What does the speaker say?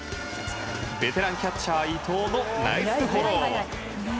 ベテランキャッチャー、伊藤のナイスフォロー。